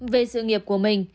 về sự nghiệp của mình